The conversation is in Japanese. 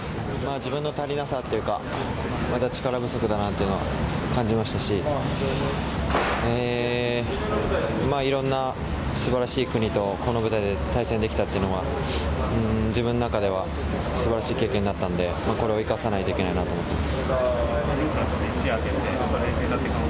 自分の足りなさというか力不足だなというのは感じましたしいろんな素晴らしい国とこの舞台で対戦できたというのは自分の中では素晴らしい経験になったのでこれは生かさなきゃいけないなと思っています。